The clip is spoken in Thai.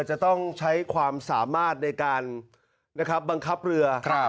จะต้องใช้ความสามารถในการบังคับเรือ